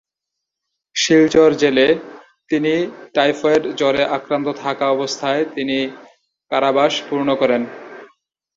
শিলচর জেলে তিনি টাইফয়েড জ্বরে আক্রান্ত থাকা অবস্থায় তিনি কারাবাস পূর্ণ করেন।